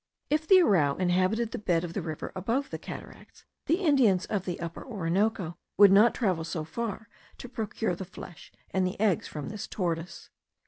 If the arrau inhabited the bed of the river above the cataracts, the Indians of the Upper Orinoco would not travel so far to procure the flesh and the eggs of this tortoise.